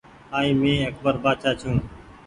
ائين مينٚ اڪبر بآڇآ ڇوٚنٚ